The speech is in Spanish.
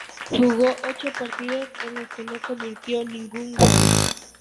Jugó ocho partidos en los que no convirtió ningún gol.